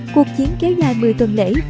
cuộc chiến kéo dài một mươi tuần lễ